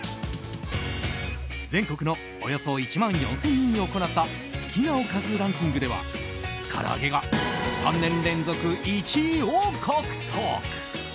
全国のおよそ１万４０００人に行った好きなおかずランキングでは唐揚げが３年連続１位を獲得。